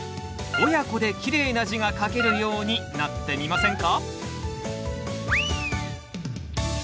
親子できれいな字が書けるようになってみませんか？